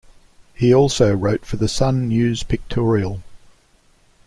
He also wrote for the Sun News Pictorial.